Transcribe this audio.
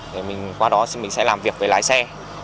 để mình qua đó mình sẽ làm việc với lái xe